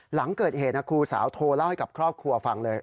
หลังเกิดเหตุครูสาวโทรเล่าให้กับครอบครัวฟังเลย